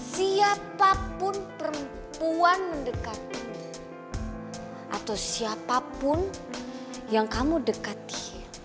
siapapun perempuan mendekat atau siapapun yang kamu dekati